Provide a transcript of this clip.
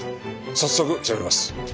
早速調べます。